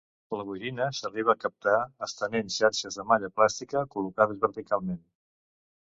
La boirina s'arriba a captar estenent xarxes de malla plàstica col·locades verticalment.